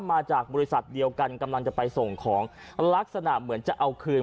มาจากบริษัทเดียวกันกำลังจะไปส่งของลักษณะเหมือนจะเอาคืน